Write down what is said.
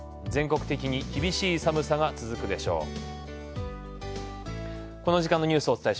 全国的に厳しい寒さが続くでしょう。